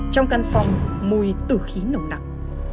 trong căn phòng mùi tử khí nồng nặng